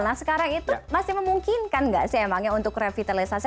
nah sekarang itu masih memungkinkan nggak sih emangnya untuk revitalisasi